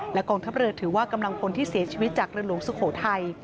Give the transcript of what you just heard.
กองทัพเรือถือว่ากำลังพลที่เสียชีวิตจากเรือหลวงสุโขทัย